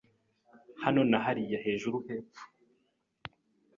Hano na hariya hejuru hepfo